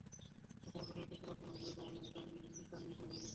প্রশ্নগুলো সত্যি সত্যি পুরো সময় ধরেই কমনওয়েলথ ক্রাই হিসেবে বিদ্যমান ছিল।